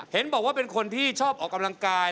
เห็นบอกว่าเป็นคนที่ชอบออกกำลังกาย